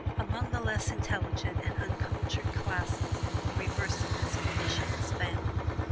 Among the less intelligent and uncultured classes the reverse of this condition is found.